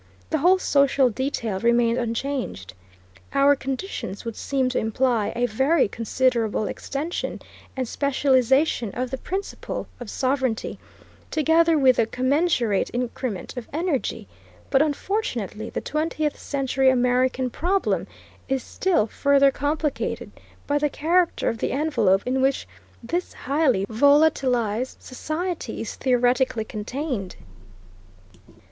The whole social detail remained unchanged. Our conditions would seem to imply a very considerable extension and specialization of the principle of sovereignty, together with a commensurate increment of energy, but unfortunately the twentieth century American problem is still further complicated by the character of the envelope in which this highly volatilized society is theoretically contained.